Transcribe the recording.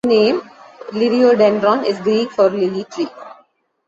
The name "Liriodendron" is Greek for "lily tree".